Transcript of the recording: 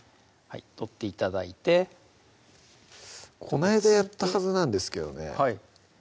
取って頂いてこないだやったはずなんですけどね